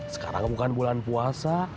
sekarang bukan bulan puasa